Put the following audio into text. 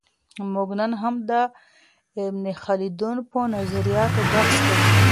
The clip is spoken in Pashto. موږ نن هم د ابن خلدون په نظریاتو بحث کوو.